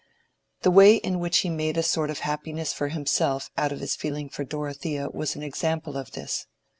The way in which he made a sort of happiness for himself out of his feeling for Dorothea was an example of this.